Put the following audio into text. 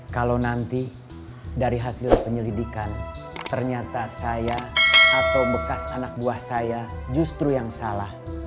kalau nanti dari hasil penyelidikan ternyata saya atau bekas anak buah saya justru yang salah